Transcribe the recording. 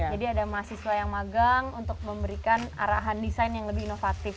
jadi ada mahasiswa yang magang untuk memberikan arahan desain yang lebih inovatif